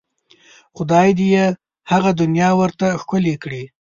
خدای دې یې هغه دنیا ورته ښکلې کړي.